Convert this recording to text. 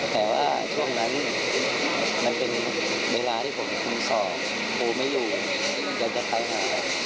แต่ว่าช่วงนั้นมันเป็นเวลาที่ผมคุมสอบโทรไม่อยู่เดี๋ยวจะไปหา